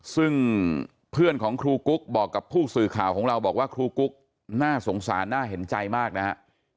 ซึ่งเพื่อนของครูกุ๊กบอกกับผู้สื่อข่าวของเราบอกว่าครูกุ๊กน่าสงสารน่าเห็นใจมากนะฮะ